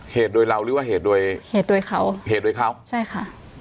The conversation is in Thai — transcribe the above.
เหตุโดยเราหรือว่าเหตุโดยเหตุโดยเขาเหตุโดยเขาใช่ค่ะ